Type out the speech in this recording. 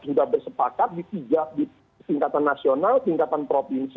sudah bersepakat di tingkatan nasional tingkatan provinsi